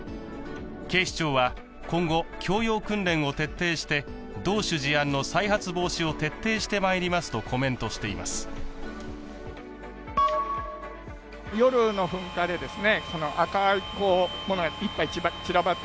警視庁は、今後、教養訓練を徹底して同種事案の再発防止を徹底してまいりますとコメントしています。